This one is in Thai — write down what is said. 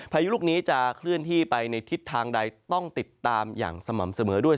พายุลูกนี้จะเคลื่อนที่ไปในทิศทางใดต้องติดตามอย่างสม่ำเสมอด้วย